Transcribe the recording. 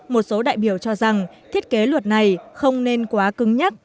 một số đại biểu cho rằng thiết kế luật này không nên quá cứng nhắc